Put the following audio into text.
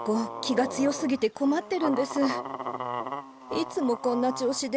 いつもこんな調子で。